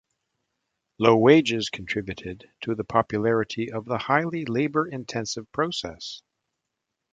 Low wages contributed to the popularity of the highly labour-intensive process.